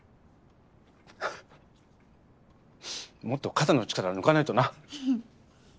もっと肩の力を抜かないとな！